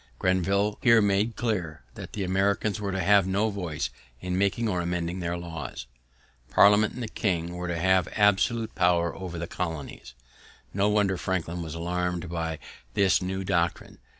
Grenville here made clear that the Americans were to have no voice in making or amending their laws. Parliament and the king were to have absolute power over the colonies. No wonder Franklin was alarmed by this new doctrine.